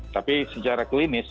tapi secara klinis